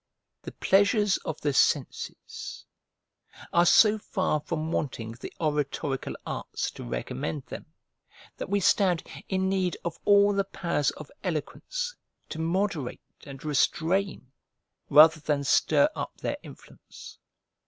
The pleasures of the senses are so far from wanting the oratorical arts to recommend them that we stand in need of all the powers of eloquence to moderate and restrain rather than stir up their influence.